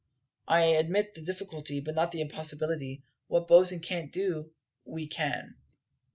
I admit the difficulty, but not the impossibility. What Bosin can't do, we can."